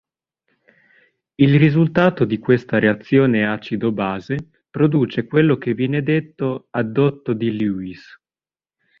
Il risultato di questa reazione acido-base produce quello che viene detto "addotto di Lewis".